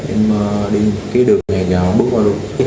em đi kế đường nghe